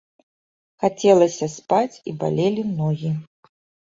Хацелася спаць і балелі ногі.